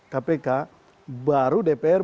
kpk baru dpr